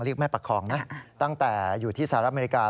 แม่ประคองนะตั้งแต่อยู่ที่สหรัฐอเมริกา